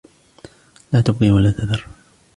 لا تُبْقِي وَلا تَذَرُ